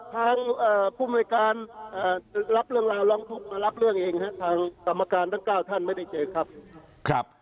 ทางผู้มนุยการรับเรื่องราวร้องทุกข์มารับเรื่องเองฮะทางกรรมการทั้ง๙ท่านไม่ได้เจอครับ